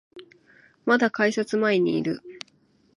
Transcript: まだ改札前にいる